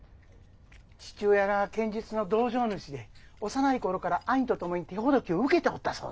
父親が剣術の道場主で幼い頃から兄と共に手ほどきを受けておったそうです。